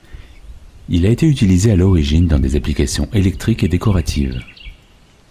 Il a été utilisé à l'origine dans des applications électriques et décoratives.